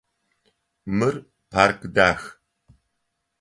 Мыр парк дах.